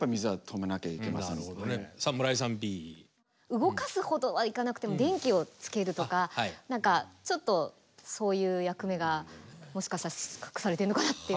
動かすほどはいかなくても電気をつけるとか何かちょっとそういう役目がもしかしたら隠されてるのかなっていうふうに思ったんですけど。